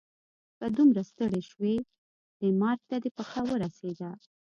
که دومره ستړی شوې ډنمارک ته دې پښه ورسیده.